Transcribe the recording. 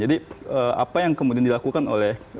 jadi apa yang kemudian dilakukan oleh